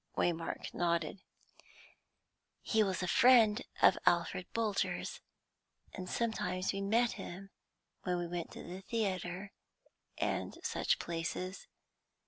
Waymark nodded. "He was a friend of Alfred Bolter's, and sometimes we met him when we went to the theatre, and such places.